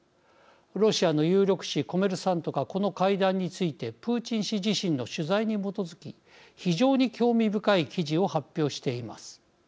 ロシアの有力紙コメルサントがこの会談についてプーチン氏自身の取材に基づき非常に興味深い記事を発表しています。